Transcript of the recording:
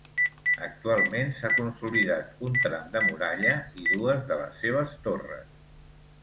Actualment s'ha consolidat un tram de muralla i dues de les seves torres.